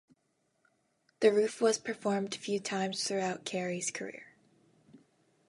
"The Roof" was performed few times throughout Carey's career.